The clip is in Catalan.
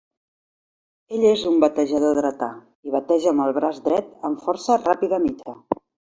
Ell és un batejador dretà, i bateja amb el braç dret amb foça ràpida-mitja.